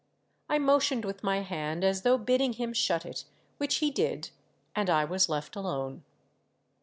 I motioned with my hand as though bidding him shut it, which he did, and I was left alone.